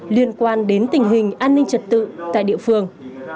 liên quan đến tình hình an ninh trật tự tại địa phương